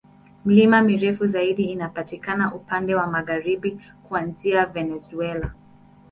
Milima mirefu zaidi inapatikana upande wa magharibi, kuanzia Venezuela.